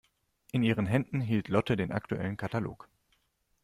In ihren Händen hielt Lotte den aktuellen Katalog.